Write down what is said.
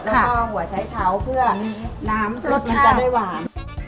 แล้วก็หัวใช้เท้าเพื่อน้ำรสมันจะได้หวาน